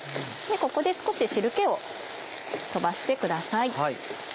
ここで少し汁気を飛ばしてください。